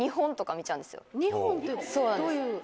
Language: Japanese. ２本ってどういう？